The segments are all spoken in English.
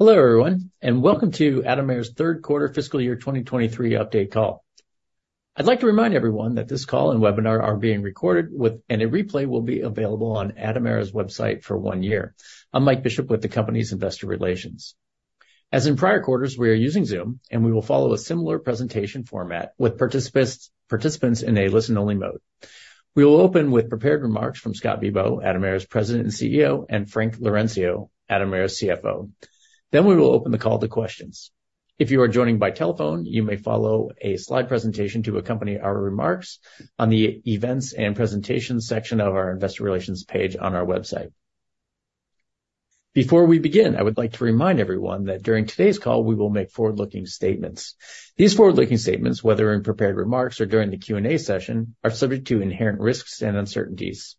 Hello, everyone, and welcome to Atomera's Third Quarter Fiscal Year 2023 Update Call. I'd like to remind everyone that this call and webinar are being recorded, and a replay will be available on Atomera's website for one year. I'm Mike Bishop with the company's Investor Relations. As in prior quarters, we are using Zoom, and we will follow a similar presentation format with participants in a listen-only mode. We will open with prepared remarks from Scott Bibaud, Atomera's President and CEO, and Frank Laurencio, Atomera's CFO. Then we will open the call to questions. If you are joining by telephone, you may follow a slide presentation to accompany our remarks on the Events and Presentations section of our Investor Relations page on our website. Before we begin, I would like to remind everyone that during today's call, we will make forward-looking statements. These forward-looking statements, whether in prepared remarks or during the Q&A session, are subject to inherent risks and uncertainties.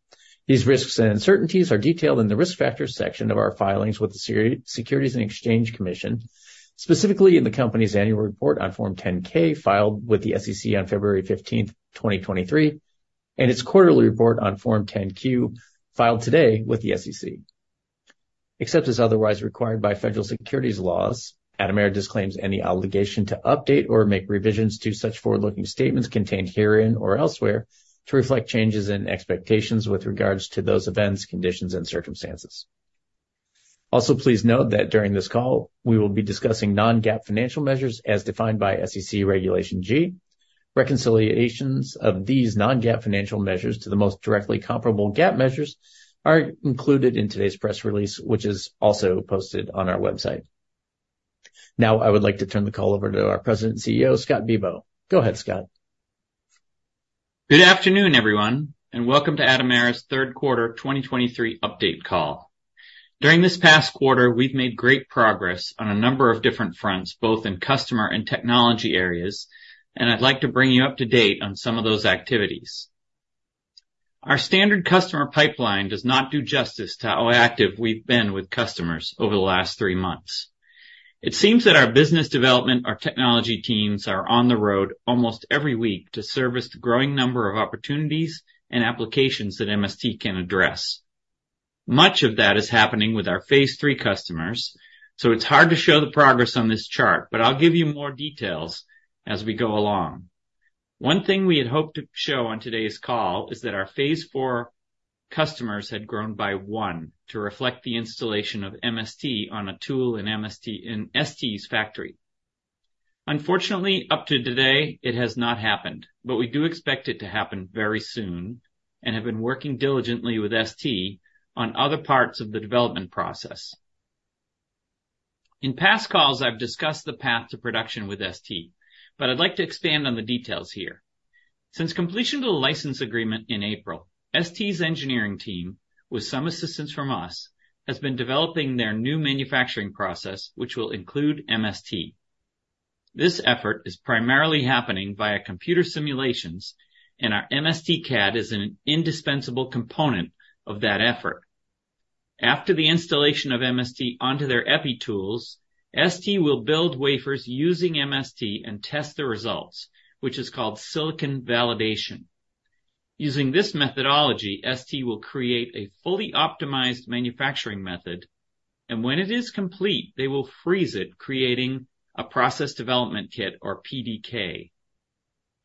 These risks and uncertainties are detailed in the Risk Factors section of our filings with the Securities and Exchange Commission, specifically in the company's Annual Report on Form 10-K, filed with the SEC on February 15, 2023, and its quarterly report on Form 10-Q, filed today with the SEC. Except as otherwise required by federal securities laws, Atomera disclaims any obligation to update or make revisions to such forward-looking statements contained herein or elsewhere, to reflect changes in expectations with regards to those events, conditions, and circumstances. Also, please note that during this call, we will be discussing non-GAAP financial measures as defined by SEC Regulation G. Reconciliations of these non-GAAP financial measures to the most directly comparable GAAP measures are included in today's press release, which is also posted on our website. Now, I would like to turn the call over to our President and CEO, Scott Bibaud. Go ahead, Scott. Good afternoon, everyone, and welcome to Atomera's third quarter 2023 update call. During this past quarter, we've made great progress on a number of different fronts, both in customer and technology areas, and I'd like to bring you up to date on some of those activities. Our standard customer pipeline does not do justice to how active we've been with customers over the last three months. It seems that our business development, our technology teams, are on the road almost every week to service the growing number of opportunities and applications that MST can address. Much of that is happening with our phase three customers, so it's hard to show the progress on this chart, but I'll give you more details as we go along. One thing we had hoped to show on today's call is that our phase four customers had grown by one to reflect the installation of MST on a tool in MST in ST's factory. Unfortunately, up to today, it has not happened, but we do expect it to happen very soon and have been working diligently with ST on other parts of the development process. In past calls, I've discussed the path to production with ST, but I'd like to expand on the details here. Since completion of the license agreement in April, ST's engineering team, with some assistance from us, has been developing their new manufacturing process, which will include MST. This effort is primarily happening via computer simulations, and our MSTcad is an indispensable component of that effort. After the installation of MST onto their epi tools, ST will build wafers using MST and test the results, which is called silicon validation. Using this methodology, ST will create a fully optimized manufacturing method, and when it is complete, they will freeze it, creating a Process Development Kit, or PDK.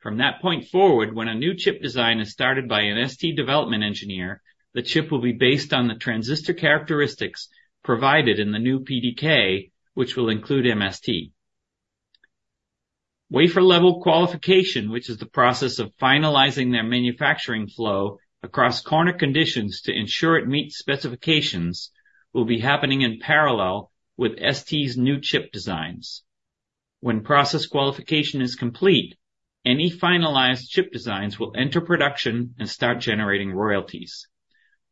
From that point forward, when a new chip design is started by an ST development engineer, the chip will be based on the transistor characteristics provided in the new PDK, which will include MST. Wafer level qualification, which is the process of finalizing their manufacturing flow across corner conditions to ensure it meets specifications, will be happening in parallel with ST's new chip designs. When process qualification is complete, any finalized chip designs will enter production and start generating royalties.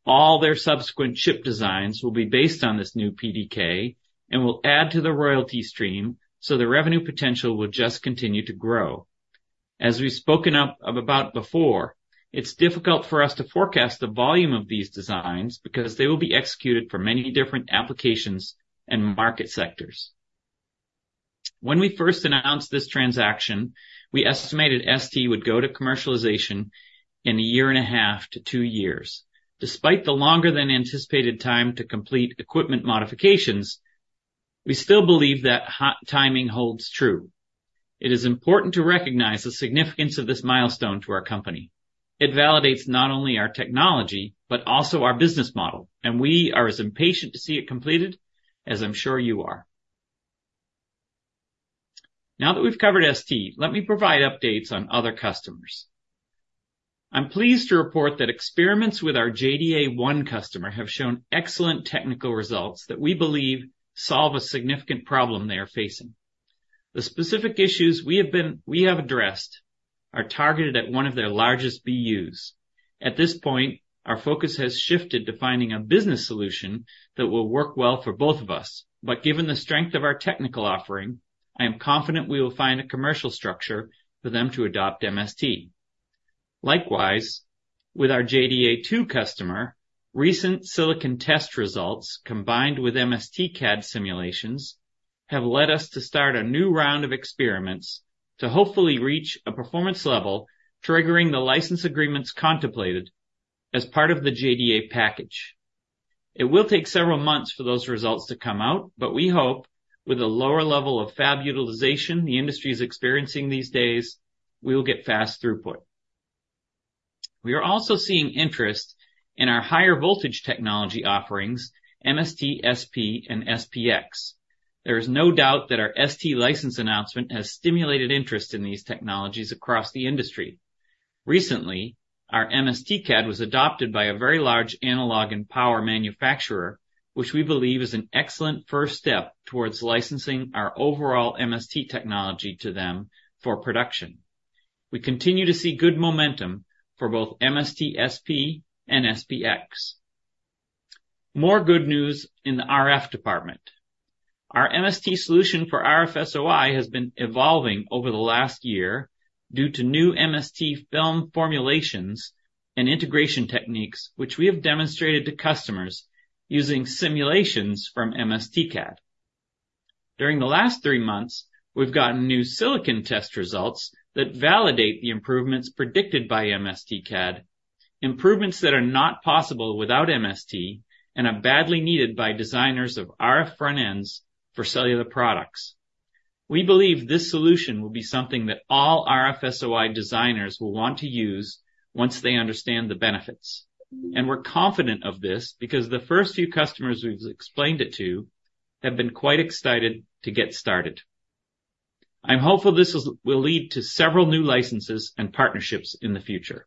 All their subsequent chip designs will be based on this new PDK and will add to the royalty stream, so the revenue potential will just continue to grow. As we've spoken about before, it's difficult for us to forecast the volume of these designs because they will be executed for many different applications and market sectors. When we first announced this transaction, we estimated ST would go to commercialization in 1.5-2 years. Despite the longer than anticipated time to complete equipment modifications, we still believe that timing holds true. It is important to recognize the significance of this milestone to our company. It validates not only our technology, but also our business model, and we are as impatient to see it completed as I'm sure you are. Now that we've covered ST, let me provide updates on other customers. I'm pleased to report that experiments with our JDA 1 customer have shown excellent technical results that we believe solve a significant problem they are facing. The specific issues we have addressed are targeted at one of their largest BUs. At this point, our focus has shifted to finding a business solution that will work well for both of us. But given the strength of our technical offering, I am confident we will find a commercial structure for them to adopt MST. Likewise, with our JDA 2 customer, recent silicon test results, combined with MSTcad simulations, have led us to start a new round of experiments to hopefully reach a performance level triggering the license agreements contemplated as part of the JDA package. It will take several months for those results to come out, but we hope with a lower level of fab utilization the industry is experiencing these days, we will get fast throughput. We are also seeing interest in our higher voltage technology offerings, MST-SP, and SPX. There is no doubt that our ST license announcement has stimulated interest in these technologies across the industry. Recently, our MSTcad was adopted by a very large analog and power manufacturer, which we believe is an excellent first step towards licensing our overall MST technology to them for production. We continue to see good momentum for both MST-SP, and SPX. More good news in the RF department. Our MST solution for RF SOI has been evolving over the last year due to new MST film formulations and integration techniques, which we have demonstrated to customers using simulations from MSTcad. During the last three months, we've gotten new silicon test results that validate the improvements predicted by MSTcad, improvements that are not possible without MST and are badly needed by designers of RF front ends for cellular products. We believe this solution will be something that all RF SOI designers will want to use once they understand the benefits. And we're confident of this because the first few customers we've explained it to have been quite excited to get started. I'm hopeful this will lead to several new licenses and partnerships in the future.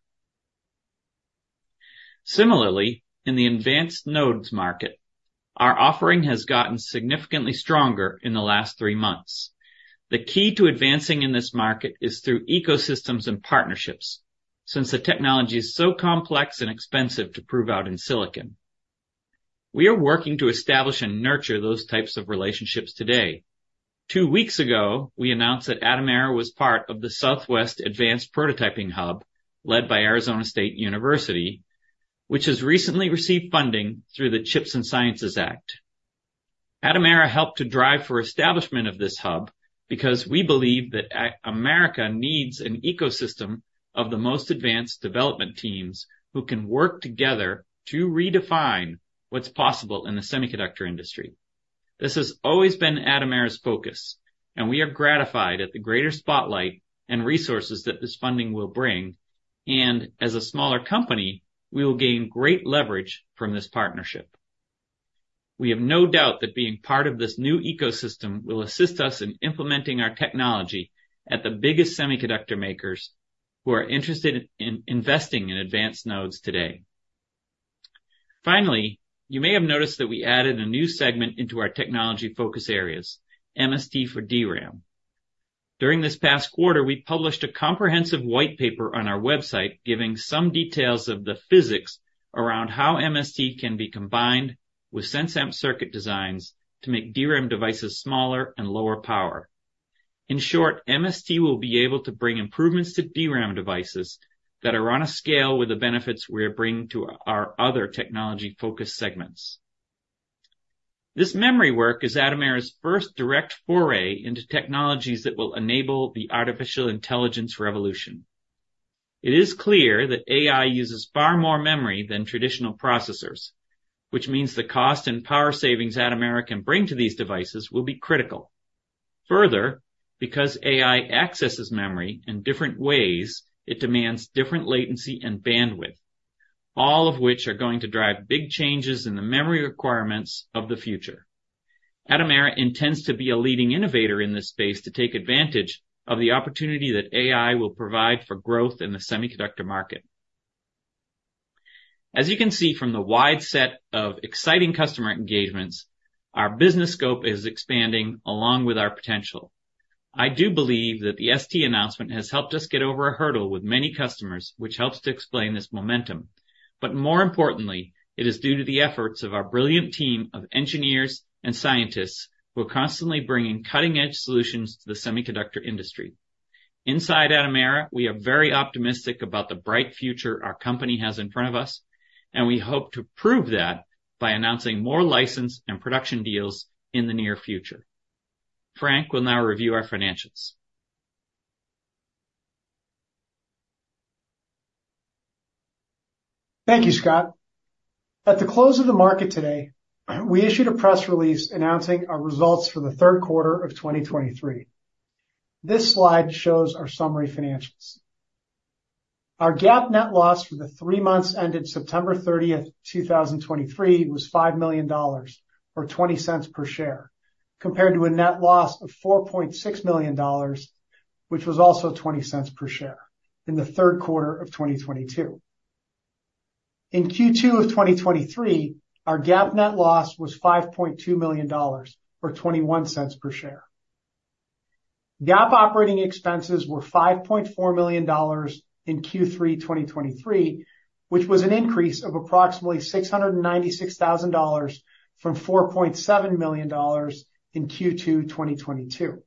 Similarly, in the advanced nodes market, our offering has gotten significantly stronger in the last three months. The key to advancing in this market is through ecosystems and partnerships, since the technology is so complex and expensive to prove out in silicon. We are working to establish and nurture those types of relationships today. Two weeks ago, we announced that Atomera was part of the Southwest Advanced Prototyping Hub, led by Arizona State University, which has recently received funding through the CHIPS and Science Act. Atomera helped to drive for establishment of this hub because we believe that America needs an ecosystem of the most advanced development teams, who can work together to redefine what's possible in the semiconductor industry. This has always been Atomera's focus, and we are gratified at the greater spotlight and resources that this funding will bring, and as a smaller company, we will gain great leverage from this partnership. We have no doubt that being part of this new ecosystem will assist us in implementing our technology at the biggest semiconductor makers who are interested in investing in advanced nodes today. Finally, you may have noticed that we added a new segment into our technology focus areas, MST for DRAM. During this past quarter, we published a comprehensive white paper on our website, giving some details of the physics around how MST can be combined with sense amp circuit designs to make DRAM devices smaller and lower power. In short, MST will be able to bring improvements to DRAM devices that are on a scale with the benefits we are bringing to our other technology focus segments. This memory work is Atomera's first direct foray into technologies that will enable the artificial intelligence revolution. It is clear that AI uses far more memory than traditional processors, which means the cost and power savings Atomera can bring to these devices will be critical. Further, because AI accesses memory in different ways, it demands different latency and bandwidth, all of which are going to drive big changes in the memory requirements of the future. Atomera intends to be a leading innovator in this space to take advantage of the opportunity that AI will provide for growth in the semiconductor market. As you can see from the wide set of exciting customer engagements, our business scope is expanding along with our potential. I do believe that the ST announcement has helped us get over a hurdle with many customers, which helps to explain this momentum. But more importantly, it is due to the efforts of our brilliant team of engineers and scientists who are constantly bringing cutting-edge solutions to the semiconductor industry. At Atomera, we are very optimistic about the bright future our company has in front of us, and we hope to prove that by announcing more license and production deals in the near future. Frank will now review our financials. Thank you, Scott. At the close of the market today, we issued a press release announcing our results for the third quarter of 2023. This slide shows our summary financials. Our GAAP net loss for the three months ended September 30, 2023, was $5 million, or $0.20 per share, compared to a net loss of $4.6 million, which was also $0.20 per share in the third quarter of 2022. In Q2 of 2023, our GAAP net loss was $5.2 million, or $0.21 per share. GAAP operating expenses were $5.4 million in Q3 2023, which was an increase of approximately $696,000 from $4.7 million in Q2 2022.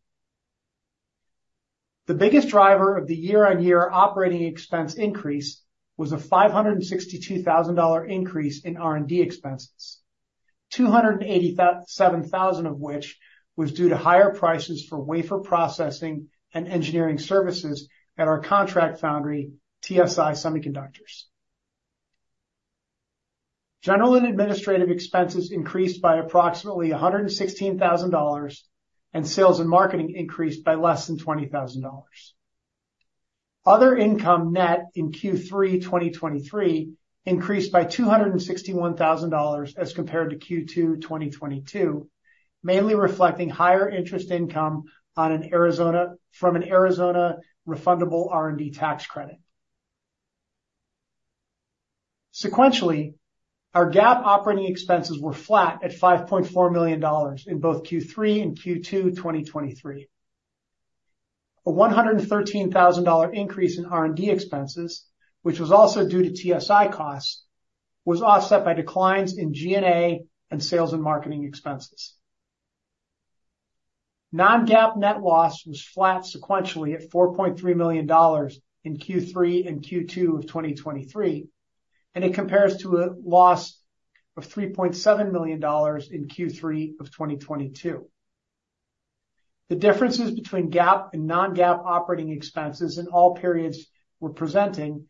The biggest driver of the year-on-year operating expense increase was a $562,000 increase in R&D expenses. $287,000 of which was due to higher prices for wafer processing and engineering services at our contract foundry, TSI Semiconductors. General and administrative expenses increased by approximately $116,000, and sales and marketing increased by less than $20,000. Other income net in Q3 2023 increased by $261,000 as compared to Q2 2022, mainly reflecting higher interest income from an Arizona refundable R&D tax credit. Sequentially, our GAAP operating expenses were flat at $5.4 million in both Q3 and Q2, 2023. A $113,000 increase in R&D expenses, which was also due to TSI costs, was offset by declines in G&A and sales and marketing expenses. Non-GAAP net loss was flat sequentially at $4.3 million in Q3 and Q2 of 2023, and it compares to a loss of $3.7 million in Q3 of 2022. The differences between GAAP and non-GAAP operating expenses in all periods we're presenting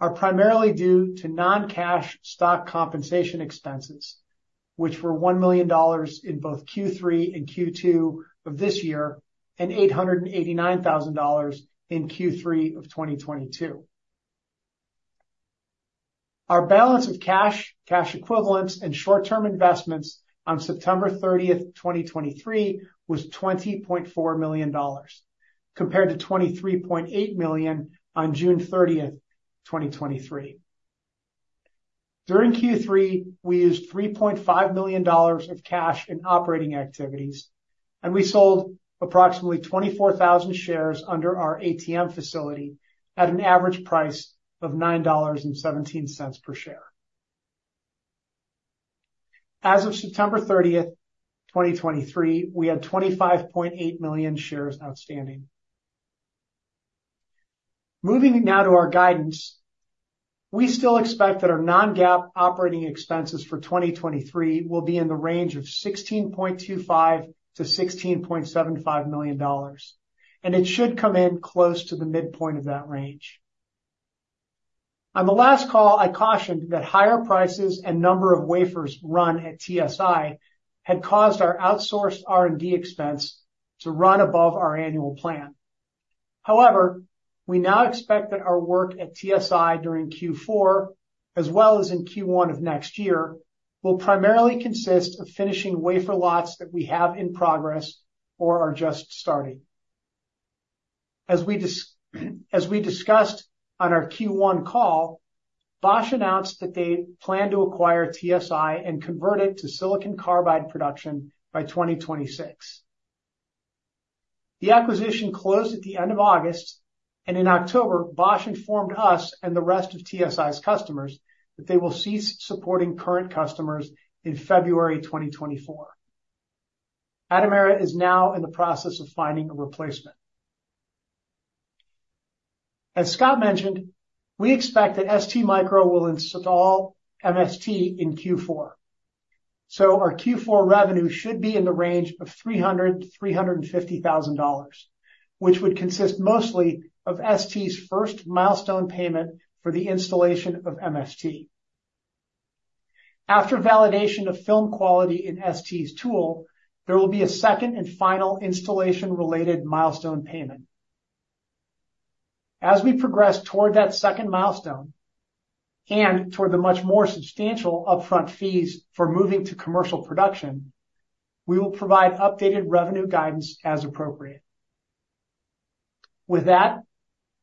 are primarily due to non-cash stock compensation expenses, which were $1 million in both Q3 and Q2 of this year, and $889,000 in Q3 of 2022. Our balance of cash, cash equivalents, and short-term investments on September 30, 2023, was $20.4 million, compared to $23.8 million on June 30, 2023. During Q3, we used $3.5 million of cash in operating activities, and we sold approximately 24,000 shares under our ATM facility at an average price of $9.17 per share. As of September 30, 2023, we had 25.8 million shares outstanding. Moving now to our guidance, we still expect that our non-GAAP operating expenses for 2023 will be in the range of $16.25 million-$16.75 million, and it should come in close to the midpoint of that range. On the last call, I cautioned that higher prices and number of wafers run at TSI had caused our outsourced R&D expense to run above our annual plan. However, we now expect that our work at TSI during Q4, as well as in Q1 of next year, will primarily consist of finishing wafer lots that we have in progress or are just starting. As we discussed on our Q1 call, Bosch announced that they plan to acquire TSI and convert it to silicon carbide production by 2026. The acquisition closed at the end of August, and in October, Bosch informed us and the rest of TSI's customers, that they will cease supporting current customers in February 2024. Atomera is now in the process of finding a replacement. As Scott mentioned, we expect that STMicro will install MST in Q4. So our Q4 revenue should be in the range of $300,000-$350,000, which would consist mostly of ST's first milestone payment for the installation of MST. After validation of film quality in ST's tool, there will be a second and final installation-related milestone payment. As we progress toward that second milestone, and toward the much more substantial upfront fees for moving to commercial production, we will provide updated revenue guidance as appropriate. With that,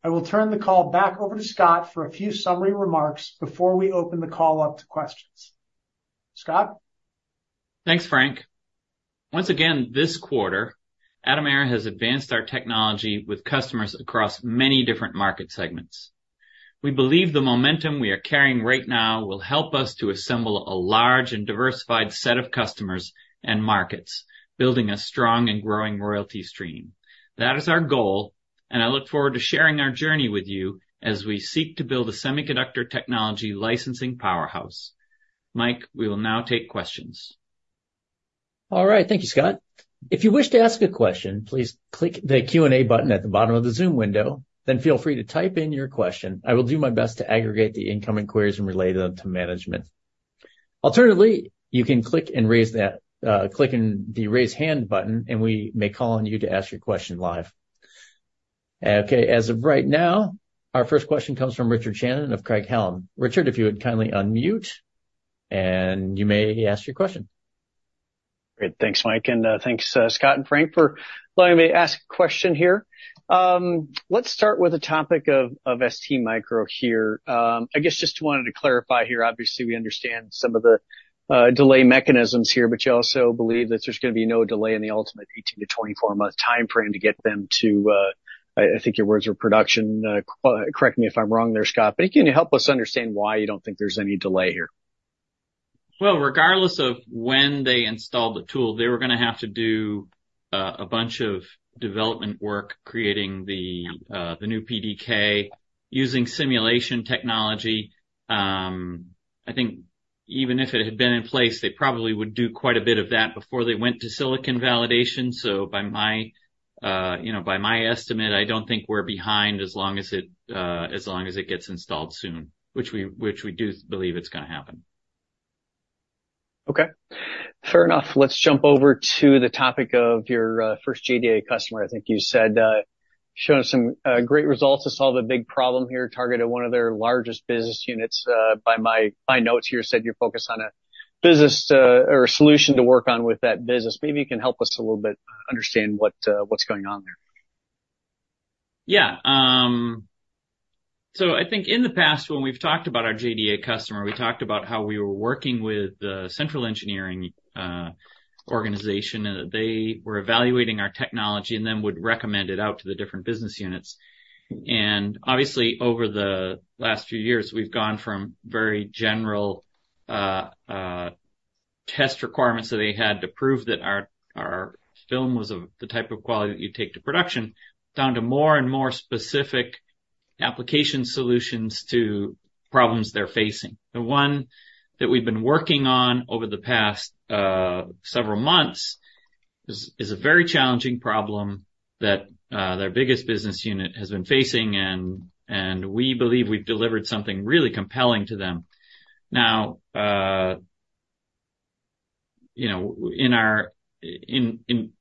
I will turn the call back over to Scott for a few summary remarks before we open the call up to questions. Scott? Thanks, Frank. Once again, this quarter, Atomera has advanced our technology with customers across many different market segments. We believe the momentum we are carrying right now will help us to assemble a large and diversified set of customers and markets, building a strong and growing royalty stream. That is our goal, and I look forward to sharing our journey with you as we seek to build a semiconductor technology licensing powerhouse. Mike, we will now take questions. All right. Thank you, Scott. If you wish to ask a question, please click the Q&A button at the bottom of the Zoom window, then feel free to type in your question. I will do my best to aggregate the incoming queries and relay them to management. Alternatively, you can click and raise the, click in the Raise Hand button, and we may call on you to ask your question live. Okay, as of right now, our first question comes from Richard Shannon of Craig-Hallum. Richard, if you would kindly unmute, and you may ask your question. Great. Thanks, Mike, and, thanks, Scott and Frank, for allowing me to ask a question here. Let's start with the topic of STMicro here. I guess just wanted to clarify here. Obviously, we understand some of the delay mechanisms here, but you also believe that there's gonna be no delay in the ultimate 18-24-month timeframe to get them to, I think your words were production. Correct me if I'm wrong there, Scott, but can you help us understand why you don't think there's any delay here? Well, regardless of when they install the tool, they were gonna have to do a bunch of development work creating the new PDK using simulation technology. I think even if it had been in place, they probably would do quite a bit of that before they went to silicon validation. So by my, you know, by my estimate, I don't think we're behind as long as it gets installed soon, which we do believe it's gonna happen. Okay, fair enough. Let's jump over to the topic of your first JDA customer. I think you said showing some great results to solve a big problem here, targeted one of their largest business units. By my notes here, said you're focused on a business or a solution to work on with that business. Maybe you can help us a little bit understand what's going on there. Yeah. So I think in the past, when we've talked about our JDA customer, we talked about how we were working with the central engineering organization, and that they were evaluating our technology and then would recommend it out to the different business units. And obviously, over the last few years, we've gone from very general test requirements that they had to prove that our film was of the type of quality that you'd take to production, down to more and more specific application solutions to problems they're facing. The one that we've been working on over the past several months is a very challenging problem that their biggest business unit has been facing, and we believe we've delivered something really compelling to them. Now, you know, in our—in--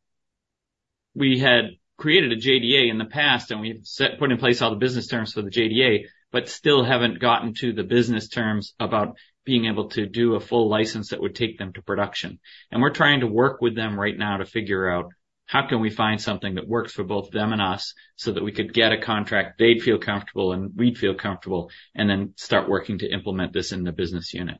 We had created a JDA in the past, and we've set, put in place all the business terms for the JDA, but still haven't gotten to the business terms about being able to do a full license that would take them to production. And we're trying to work with them right now to figure out: how can we find something that works for both them and us, so that we could get a contract they'd feel comfortable in, and we'd feel comfortable, and then start working to implement this in the business unit?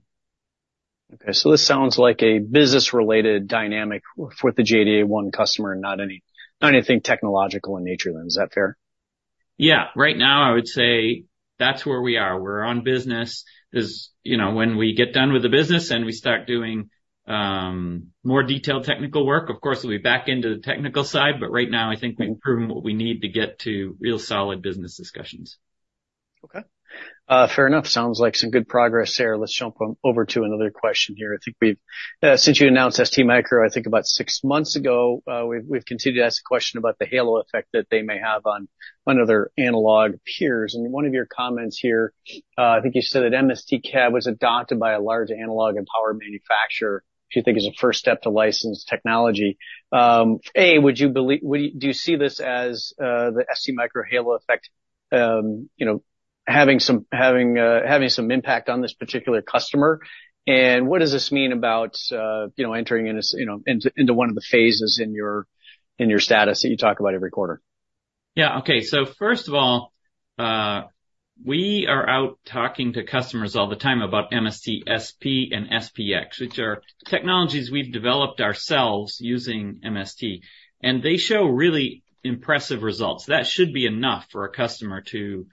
Okay, so this sounds like a business-related dynamic with the JDA 1 customer and not any, not anything technological in nature, then. Is that fair? Yeah. Right now, I would say that's where we are. We're on business. As you know, when we get done with the business and we start doing more detailed technical work, of course, we'll be back into the technical side, but right now, I think we've proven what we need to get to real solid business discussions. Okay. Fair enough. Sounds like some good progress there. Let's jump on over to another question here. I think we've, since you announced STMicro, I think about six months ago, we've continued to ask a question about the halo effect that they may have on other analog peers. And one of your comments here, I think you said that MSTcad was adopted by a large analog and power manufacturer, which you think is a first step to license technology. A, would you believe—would, do you see this as the STMicro halo effect, you know, having some impact on this particular customer? And what does this mean about, you know, entering into one of the phases in your status that you talk about every quarter? Yeah. Okay. So first of all, we are out talking to customers all the time about MST, SP and SPX, which are technologies we've developed ourselves using MST, and they show really impressive results. That should be enough for a customer to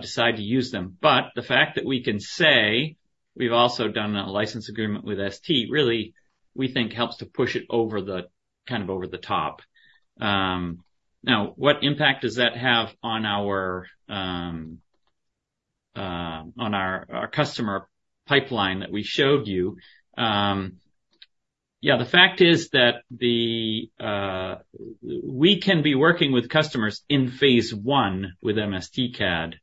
decide to use them. But the fact that we can say we've also done a license agreement with ST, really, we think helps to push it over the, kind of over the top. Now, what impact does that have on our customer pipeline that we showed you? Yeah, the fact is that we can be working with customers in phase I with MSTcad.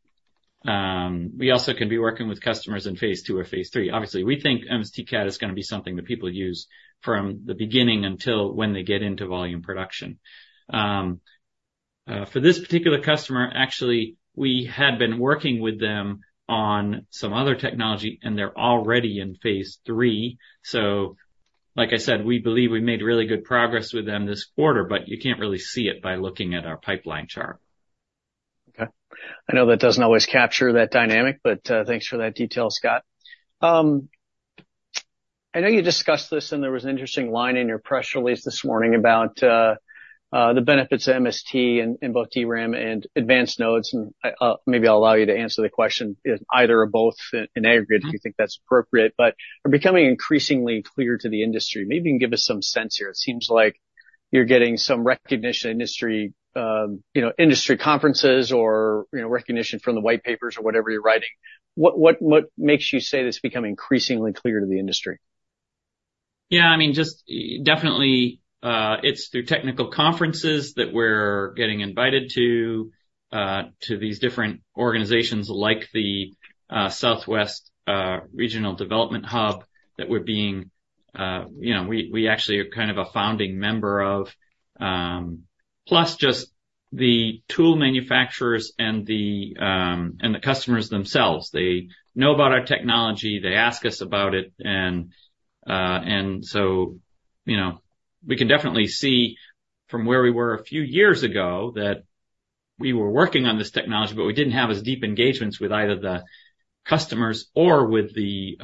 We also can be working with customers in phase II or phase III. Obviously, we think MSTcad is gonna be something that people use from the beginning until when they get into volume production. For this particular customer, actually, we had been working with them on some other technology, and they're already in phase III. So like I said, we believe we made really good progress with them this quarter, but you can't really see it by looking at our pipeline chart. Okay. I know that doesn't always capture that dynamic, but thanks for that detail, Scott. I know you discussed this, and there was an interesting line in your press release this morning about the benefits of MST in both DRAM and advanced nodes, and I maybe I'll allow you to answer the question in either or both, in aggregate, if you think that's appropriate. But they're becoming increasingly clear to the industry. Maybe you can give us some sense here. It seems like you're getting some recognition in industry, you know, industry conferences or, you know, recognition from the white papers or whatever you're writing. What makes you say it's becoming increasingly clear to the industry? Yeah, I mean, just definitely, it's through technical conferences that we're getting invited to, to these different organizations like the Southwest Regional Development Hub, that we're being, you know, we actually are kind of a founding member of. Plus, just the tool manufacturers and the customers themselves, they know about our technology, they ask us about it, and so, you know, we can definitely see from where we were a few years ago, that we were working on this technology, but we didn't have as deep engagements with either the customers or with the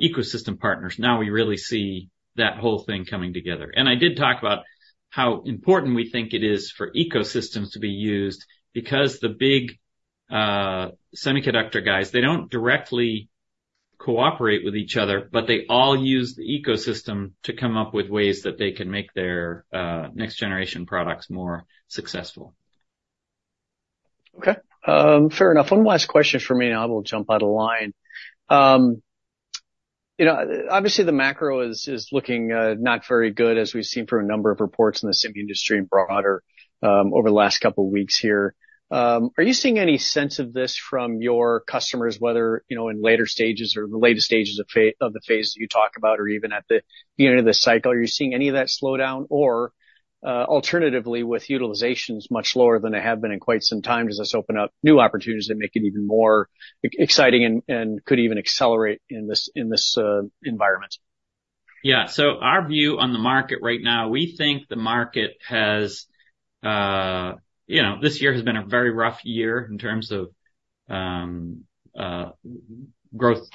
ecosystem partners. Now, we really see that whole thing coming together. And I did talk about how important we think it is for ecosystems to be used, because the big semiconductor guys, they don't directly-- Cooperate with each other, but they all use the ecosystem to come up with ways that they can make their next generation products more successful. Okay, fair enough. One last question for me, and I will jump out of line. You know, obviously, the macro is looking not very good, as we've seen from a number of reports in the same industry and broader over the last couple of weeks here. Are you seeing any sense of this from your customers, whether, you know, in later stages or the later stages of the phase that you talk about, or even at the beginning of the cycle? Are you seeing any of that slowdown? Or, alternatively, with utilizations much lower than they have been in quite some time, does this open up new opportunities that make it even more exciting and could even accelerate in this environment? Yeah. So our view on the market right now, we think the market has, you know, this year has been a very rough year in terms of, growth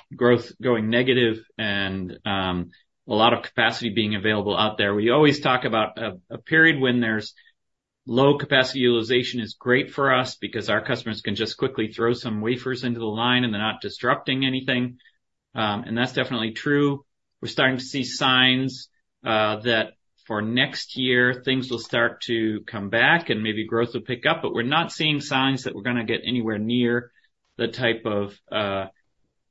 going negative and, a lot of capacity being available out there. We always talk about a period when there's low capacity utilization is great for us because our customers can just quickly throw some wafers into the line, and they're not disrupting anything. And that's definitely true. We're starting to see signs, that for next year, things will start to come back, and maybe growth will pick up, but we're not seeing signs that we're gonna get anywhere near the type of,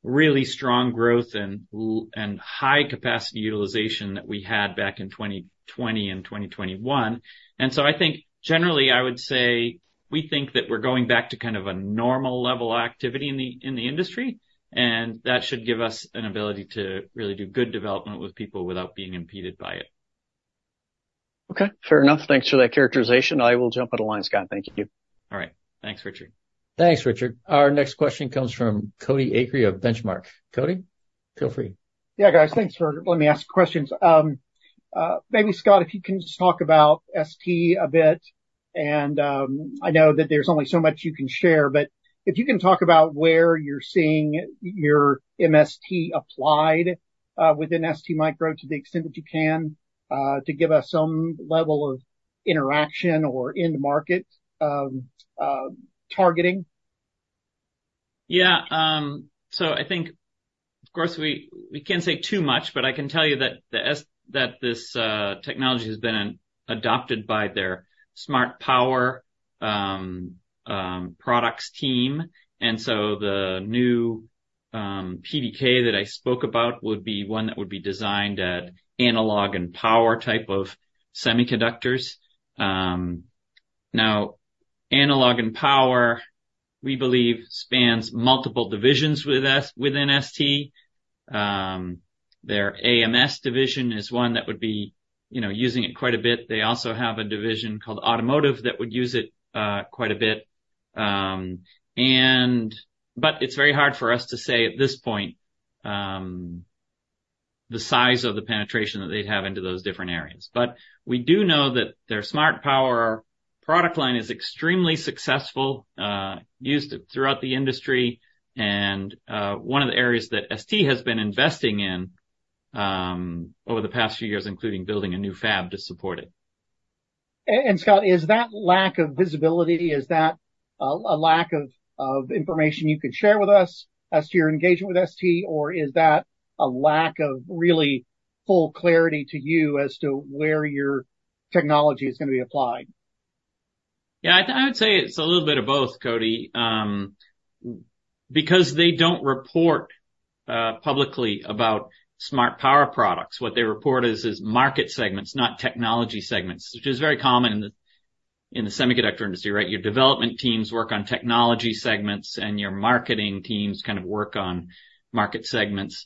really strong growth and high capacity utilization that we had back in 2020 and 2021. And so I think, generally, I would say we think that we're going back to kind of a normal level of activity in the industry, and that should give us an ability to really do good development with people without being impeded by it. Okay, fair enough. Thanks for that characterization. I will jump out of line, Scott. Thank you. All right. Thanks, Richard. Thanks, Richard. Our next question comes from Cody Acree of Benchmark. Cody, feel free. Yeah, guys, thanks for letting me ask questions. Maybe, Scott, if you can just talk about ST a bit, and I know that there's only so much you can share, but if you can talk about where you're seeing your MST applied within STMicro, to the extent that you can, to give us some level of interaction or end market targeting. Yeah, so I think, of course, we can't say too much, but I can tell you that this technology has been adopted by their Smart Power products team, and so the new PDK that I spoke about would be one that would be designed at analog and power type of semiconductors. Now, analog and power, we believe, spans multiple divisions within ST. Their AMS division is one that would be, you know, using it quite a bit. They also have a division called Automotive that would use it quite a bit. But it's very hard for us to say at this point the size of the penetration that they'd have into those different areas. But we do know that their Smart Power product line is extremely successful, used throughout the industry, and one of the areas that ST has been investing in, over the past few years, including building a new fab to support it. And Scott, is that lack of visibility, is that a lack of information you could share with us as to your engagement with ST? Or is that a lack of really full clarity to you as to where your technology is gonna be applied? Yeah, I would say it's a little bit of both, Cody. Because they don't report publicly about Smart Power products, what they report is market segments, not technology segments, which is very common in the semiconductor industry, right? Your development teams work on technology segments, and your marketing teams kind of work on market segments.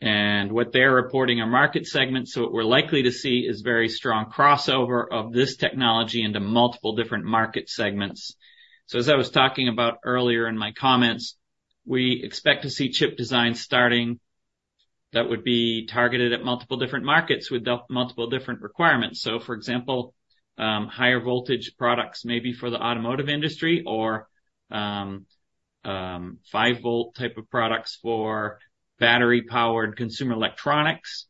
And what they're reporting are market segments, so what we're likely to see is very strong crossover of this technology into multiple different market segments. So as I was talking about earlier in my comments, we expect to see chip design starting, that would be targeted at multiple different markets with multiple different requirements. So for example, higher voltage products may be for the automotive industry or, 5-volt type of products for battery-powered consumer electronics,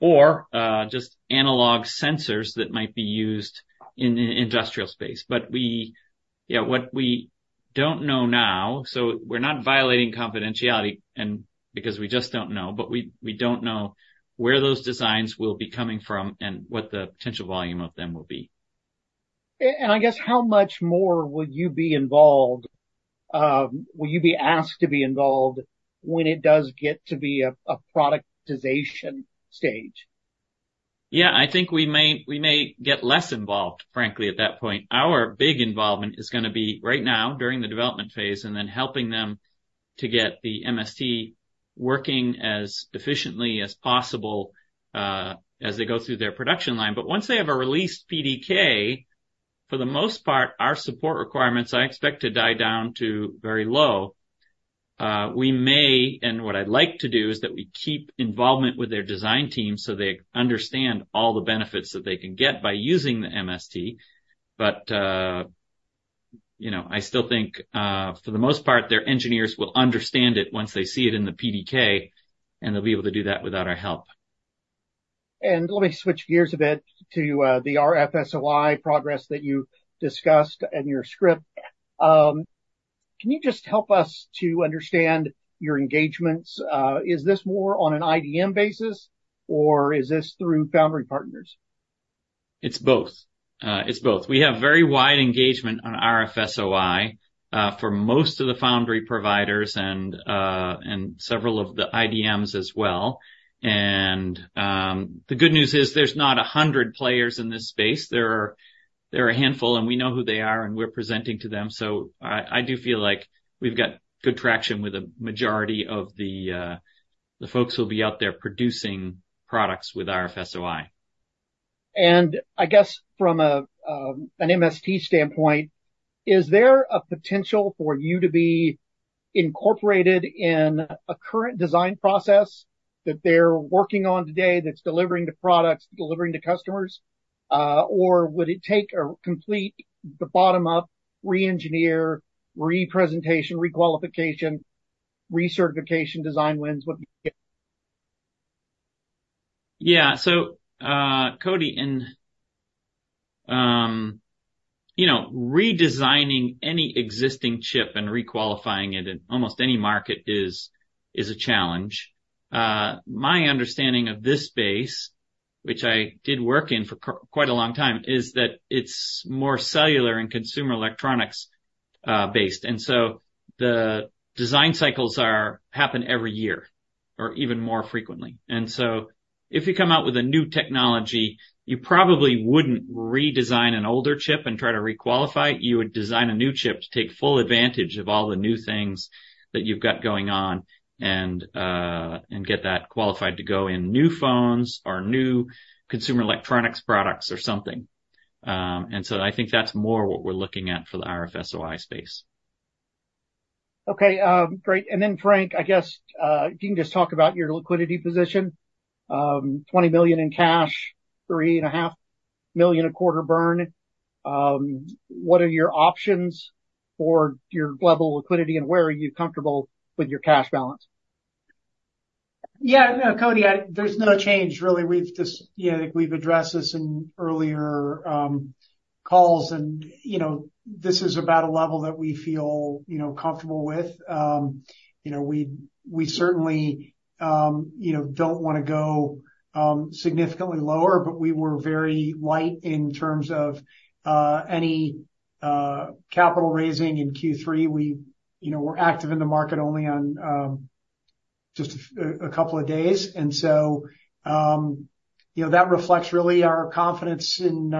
or, just analog sensors that might be used in an industrial space. But what we don't know now, so we're not violating confidentiality and because we just don't know, but we don't know where those designs will be coming from and what the potential volume of them will be. And I guess, how much more will you be involved? Will you be asked to be involved when it does get to be a productization stage? Yeah, I think we may, we may get less involved, frankly, at that point. Our big involvement is gonna be right now, during the development phase, and then helping them to get the MST working as efficiently as possible, as they go through their production line. But once they have a released PDK, for the most part, our support requirements, I expect to die down to very low. We may, and what I'd like to do, is that we keep involvement with their design team, so they understand all the benefits that they can get by using the MST. But, you know, I still think, for the most part, their engineers will understand it once they see it in the PDK, and they'll be able to do that without our help. Let me switch gears a bit to the RFSOI progress that you discussed in your script. Can you just help us to understand your engagements? Is this more on an IDM basis, or is this through foundry partners? It's both. It's both. We have very wide engagement on RFSOI for most of the foundry providers and, and several of the IDMs as well. And, the good news is there's not 100 players in this space. There are, there are a handful, and we know who they are, and we're presenting to them. So I do feel like we've got good traction with the majority of the folks who'll be out there producing products with RFSOI. I guess from an MST standpoint, is there a potential for you to be incorporated in a current design process that they're working on today that's delivering the products, delivering to customers? Or would it take a complete bottom-up re-engineer, re-presentation, re-qualification, recertification, design wins, what do you get? Yeah. So, Cody, in, you know, redesigning any existing chip and re-qualifying it in almost any market is, is a challenge. My understanding of this space, which I did work in for quite a long time, is that it's more cellular and consumer electronics based. And so the design cycles are happen every year or even more frequently. And so if you come out with a new technology, you probably wouldn't redesign an older chip and try to re-qualify it. You would design a new chip to take full advantage of all the new things that you've got going on and, and get that qualified to go in new phones or new consumer electronics products or something. And so I think that's more what we're looking at for the RFSOI space. Okay, great. And then, Frank, I guess, can you just talk about your liquidity position? $20 million in cash, $3.5 million a quarter burn. What are your options for your level of liquidity, and where are you comfortable with your cash balance? Yeah, no, Cody, there's no change, really. We've just, you know, we've addressed this in earlier calls, and, you know, this is about a level that we feel, you know, comfortable with. You know, we, we certainly don't want to go significantly lower, but we were very light in terms of any capital raising in Q3. We, you know, we're active in the market only on just a couple of days. And so, you know, that reflects really our confidence in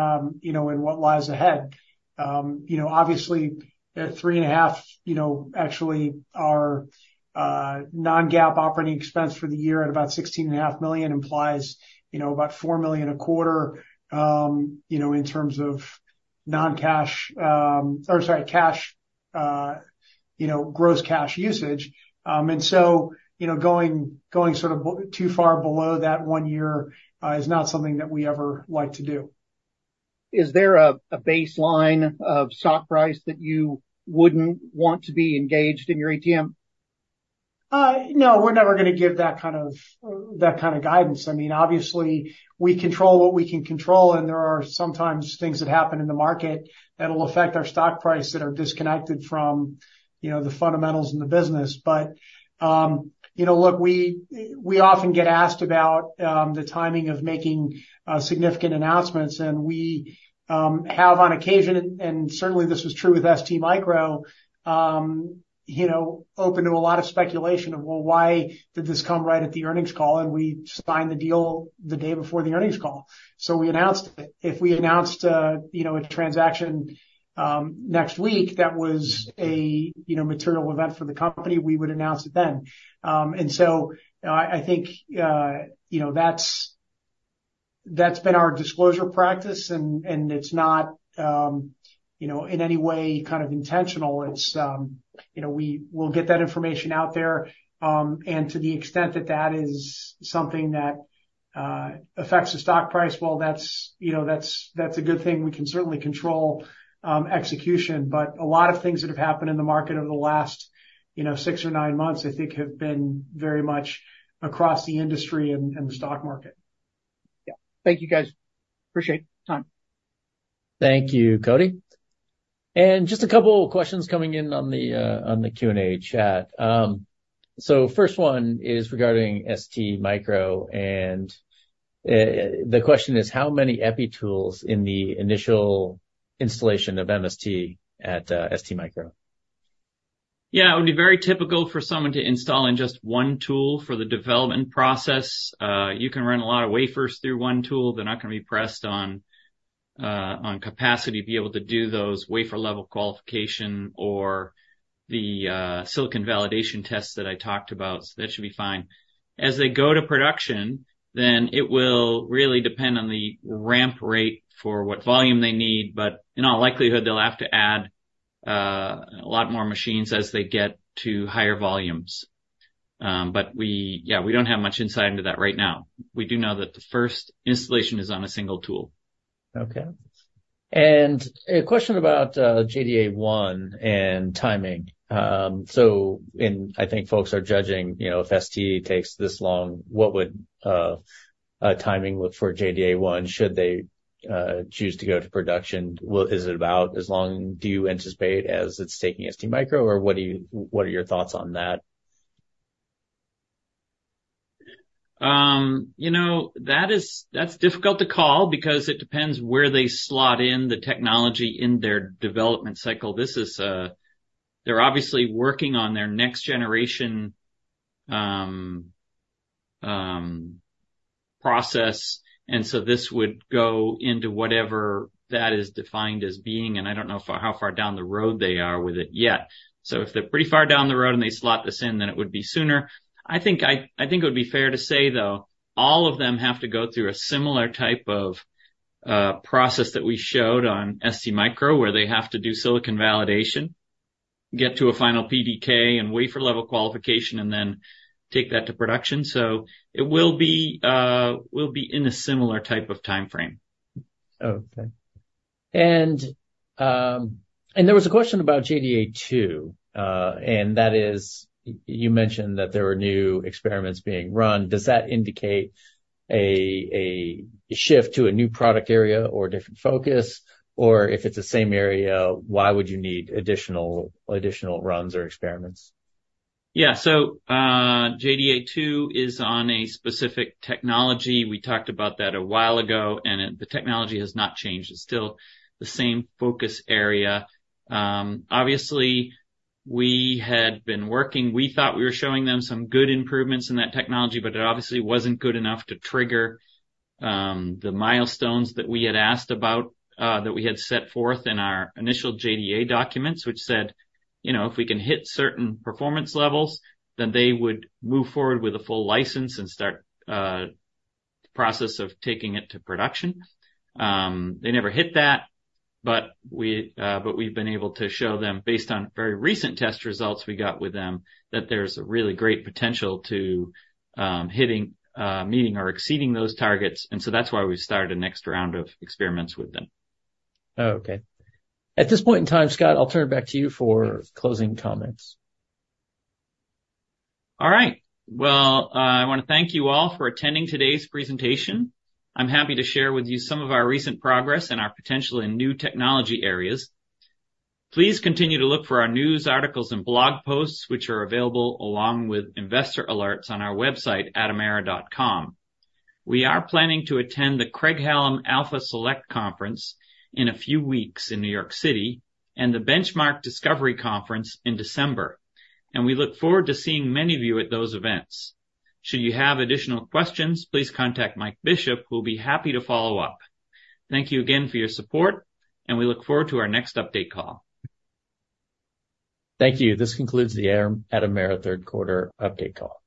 you know, in what lies ahead. You know, obviously, at $3.5 million, you know, actually our non-GAAP operating expense for the year at about $16.5 million implies, you know, about $4 million a quarter, you know, in terms of non-cash, or sorry, cash, you know, gross cash usage. And so, you know, going sort of too far below that one year is not something that we ever like to do. Is there a baseline of stock price that you wouldn't want to be engaged in your ATM? No, we're never going to give that kind of, that kind of guidance. I mean, obviously, we control what we can control, and there are sometimes things that happen in the market that'll affect our stock price that are disconnected from, you know, the fundamentals in the business. But, you know, look, we often get asked about the timing of making significant announcements, and we have on occasion, and certainly this was true with STMicro, you know, open to a lot of speculation of, well, why did this come right at the earnings call? And we signed the deal the day before the earnings call. So we announced it. If we announced, you know, a transaction next week, that was a, you know, material event for the company, we would announce it then. And so I think, you know, that's been our disclosure practice, and it's not, you know, in any way kind of intentional. It's, you know, we will get that information out there, and to the extent that that is something that affects the stock price, well, that's, you know, that's a good thing. We can certainly control execution, but a lot of things that have happened in the market over the last, you know, six or nine months, I think, have been very much across the industry and the stock market. Yeah. Thank you, guys. Appreciate the time. Thank you, Cody. And just a couple of questions coming in on the Q&A chat. So first one is regarding STMicro, and the question is: How many epi tools in the initial installation of MST at STMicro? Yeah, it would be very typical for someone to install in just one tool for the development process. You can run a lot of wafers through one tool. They're not going to be pressed on capacity to be able to do those wafer-level qualification or the silicon validation tests that I talked about, so that should be fine. As they go to production, then it will really depend on the ramp rate for what volume they need, but in all likelihood, they'll have to add a lot more machines as they get to higher volumes. But we-- Yeah, we don't have much insight into that right now. We do know that the first installation is on a single tool. Okay. And a question about JDA 1 and timing. So, and I think folks are judging, you know, if ST takes this long, what would a timing look for JDA 1, should they choose to go to production? Well, is it about as long do you anticipate as it's taking STMicro, or what do you, what are your thoughts on that? You know, that is, that's difficult to call, because it depends where they slot in the technology in their development cycle. This is. They're obviously working on their next generation process, and so this would go into whatever that is defined as being, and I don't know how far down the road they are with it yet. So if they're pretty far down the road, and they slot this in, then it would be sooner. I think it would be fair to say, though, all of them have to go through a similar type of process that we showed on STMicro, where they have to do silicon validation, get to a final PDK and wafer level qualification, and then take that to production. So it will be in a similar type of timeframe. Okay. And, and there was a question about JDA 2, and that is, you mentioned that there were new experiments being run. Does that indicate a shift to a new product area or a different focus? Or if it's the same area, why would you need additional runs or experiments? Yeah. So, JDA 2 is on a specific technology. We talked about that a while ago, and it, the technology has not changed. It's still the same focus area. Obviously, we had been working. We thought we were showing them some good improvements in that technology, but it obviously wasn't good enough to trigger the milestones that we had asked about, that we had set forth in our initial JDA documents, which said, you know, if we can hit certain performance levels, then they would move forward with a full license and start the process of taking it to production. They never hit that, but we've been able to show them, based on very recent test results we got with them, that there's a really great potential to meeting or exceeding those targets, and so that's why we've started a next round of experiments with them. Oh, okay. At this point in time, Scott, I'll turn it back to you for closing comments. All right. Well, I wanna thank you all for attending today's presentation. I'm happy to share with you some of our recent progress and our potential in new technology areas. Please continue to look for our news, articles and blog posts, which are available along with investor alerts on our website, atomera.com. We are planning to attend the Craig-Hallum Alpha Select Conference in a few weeks in New York City and the Benchmark Discovery Conference in December, and we look forward to seeing many of you at those events. Should you have additional questions, please contact Mike Bishop, who will be happy to follow up. Thank you again for your support, and we look forward to our next update call. Thank you. This concludes the Atomera third quarter update call.